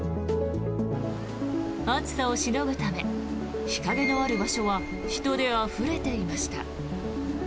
暑さをしのぐため日陰のある場所は人であふれていました。